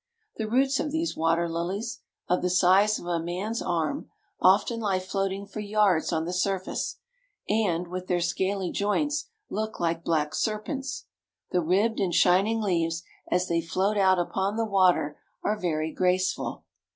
The roots of these water lilies, of the size of a man's arm, often lie floating for yards on the surface, and, with their scaly joints, look like black serpents. The ribbed and shining leaves, as they float out upon the water, are very graceful.